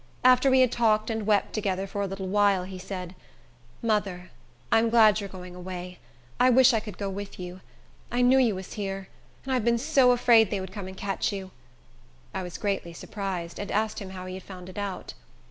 After we had talked and wept together for a little while, he said, "Mother, I'm glad you're going away. I wish I could go with you. I knew you was here; and I have been so afraid they would come and catch you!" I was greatly surprised, and asked him how he had found it out.